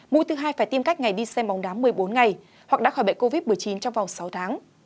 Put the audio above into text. mũi thứ hai phải tìm cách ngày đi xem bóng đá một mươi bốn ngày hoặc đã khỏi bệnh covid một mươi chín trong vòng sáu tháng